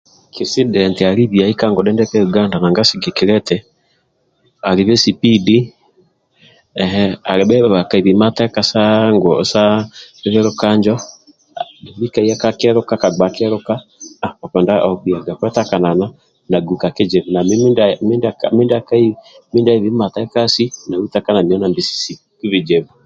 Kisindenti ali biyai ka ngunde ndia ka Yuganda nanga sigikilia eti alibe sipidi when alibe ndibha bhakaibi mateka sa biluka injo